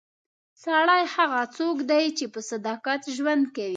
سړی هغه څوک دی چې په صداقت ژوند کوي.